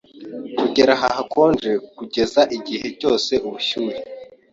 kugera ahantu hakonje kugeza igihe cyose ubushyuhe